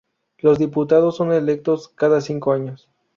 Los diputados son electos cada cinco años.